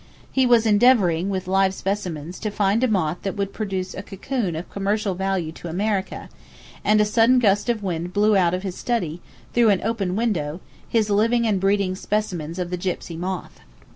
He was endeavoring with live specimens to find a moth that would produce a cocoon of commercial value to America; and a sudden gust of wind blew out of his study, through an open window, his living and breeding specimens of the gypsy moth.